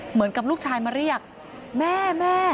เหมือนกับลูกชายมาเรียกแม่แม่